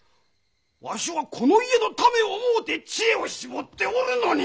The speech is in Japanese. わしはこの家のためを思うて知恵を絞っておるのに！